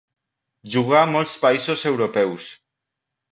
Jugà a molts països europeus.